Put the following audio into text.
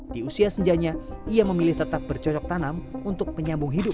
di usia senjanya ia memilih tetap bercocok tanam untuk menyambung hidup